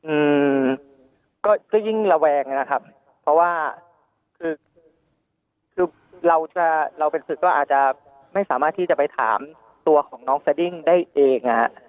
อืมก็ก็ยิ่งระแวงนะครับเพราะว่าคือคือเราจะเราเป็นศึกก็อาจจะไม่สามารถที่จะไปถามตัวของน้องสดิ้งได้เองนะฮะ